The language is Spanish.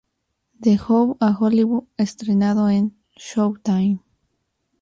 De Hood a Hollywood, estrenado en Showtime.